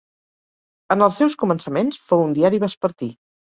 En els seus començaments fou un diari vespertí.